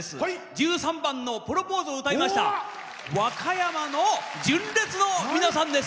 １３番「プロポーズ」を歌いました和歌山の純烈の皆さんです。